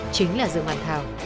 chính là dương văn thảo